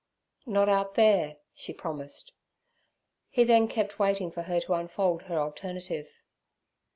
'Not out there' she promised. He then kept waiting for her to unfold her alternative.